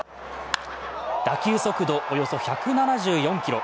打球速度、およそ１７４キロ。